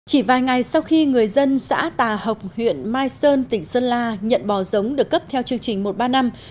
chỉ vài ngày sau khi người dân xã tà học huyện mai sơn tỉnh sơn la nhận bò giống được cấp theo chương trình một ba năm